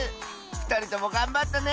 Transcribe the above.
ふたりともがんばったね！